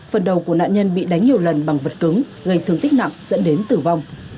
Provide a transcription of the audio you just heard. phần đầu của nạn nhân bị đánh nhiều lần bằng vật cứng gây thương tích nặng dẫn đến tử vong